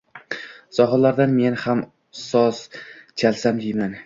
Sohillarda men ham soz chalsam, deyman.